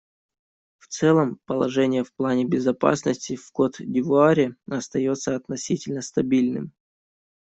В целом, положение в плане безопасности в Кот-д'Ивуаре остается относительно стабильным.